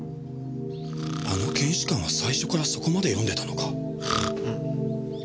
あの検視官は最初からそこまで読んでたのか？